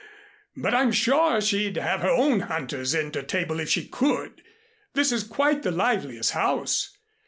But I'm sure she'd have her own hunters in to table if she could. This is quite the liveliest house!